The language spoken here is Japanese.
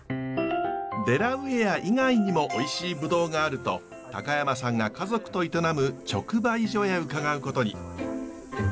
デラウェア以外にもおいしいブドウがあると高山さんが家族と営む直売所へ伺うことに。